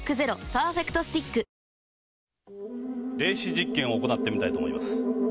実験を行ってみたいと思います。